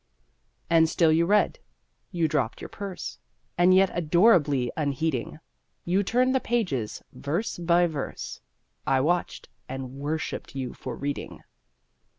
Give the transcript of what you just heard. And still you read. You dropped your purse, And yet, adorably unheeding, You turned the pages, verse by verse, I watched, and worshiped you for reading!